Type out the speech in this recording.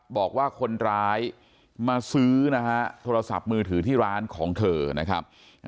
บอกว่าคนร้ายมาซื้อนะฮะโทรศัพท์มือถือที่ร้านของเธอนะครับ